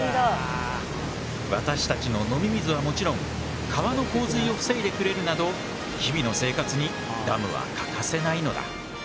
私たちの飲み水はもちろん川の洪水を防いでくれるなど日々の生活にダムは欠かせないのだ。